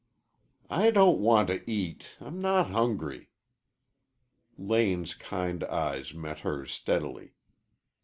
"I don't want to eat. I'm not hungry." Lane's kind eyes met hers steadily.